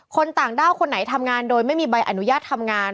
ต่างด้าวคนไหนทำงานโดยไม่มีใบอนุญาตทำงาน